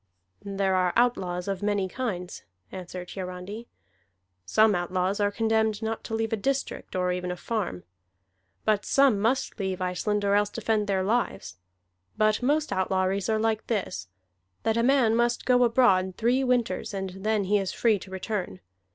"There are outlaws of many kinds," answered Hiarandi. "Some outlaws are condemned not to leave a district, or even a farm; but some must leave Iceland or else defend their lives. But most outlawries are like this, that a man must go abroad three winters, and then he is free to return.